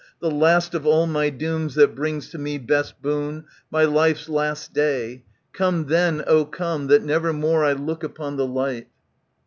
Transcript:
The last of all my dooms, that brings to me ^^^ Best boon, my life's last day. Come then, oh come. That never more I look upon the light.